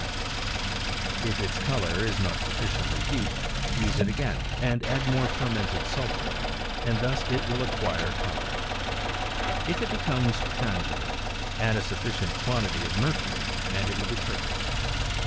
metal; if its colour is not sufficiently deep, .fttfte; it "again, and add more fermented sulphur, and thusjitjwill acquire colour. If it becomes frangible, add a sufficient quantity of mercury and it will be •perfect.